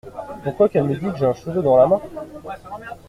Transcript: Pourquoi qu’elle me dit que j’ai un cheveu dans la main ?